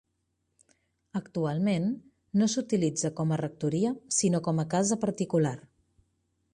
Actualment no s’utilitza com a rectoria sinó com a casa particular.